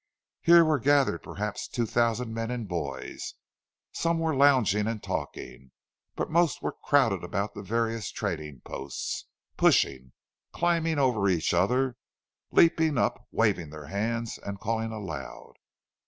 Here were gathered perhaps two thousand men and boys; some were lounging and talking, but most were crowded about the various trading posts, pushing, climbing over each other, leaping up, waving their hands and calling aloud.